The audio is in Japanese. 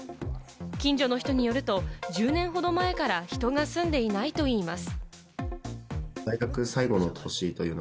近所の人によると、１０年ほど前から人が住んでいないといいます。